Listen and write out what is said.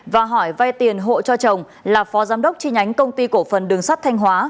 và hỏi vay tiền hộ cho chồng là phó giám đốc chi nhánh công ty cổ phần đường sắt thanh hóa